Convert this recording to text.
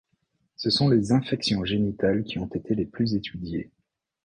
Ce sont les infections génitales qui ont été les plus étudiées.